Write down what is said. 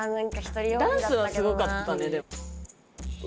・ダンスはすごかったね・